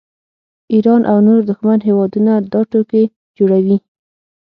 ایران او نور دښمن هیوادونه دا ټوکې جوړوي